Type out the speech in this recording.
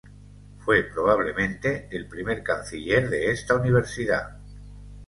Fue probablemente el primer canciller de esta universidad.